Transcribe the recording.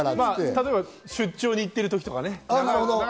例えば出張に行っているときとかね。